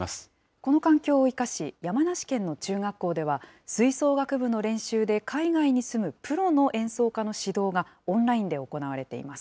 この環境を生かし、山梨県の中学校では、吹奏楽部の練習で海外に住むプロの演奏家の指導がオンラインで行われています。